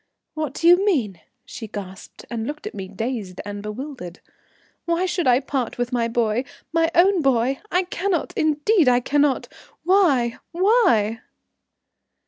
"What do you mean?" she gasped, and looked at me dazed and bewildered. "Why should I part with my boy, my own boy! I cannot, indeed I cannot. Why? Why?"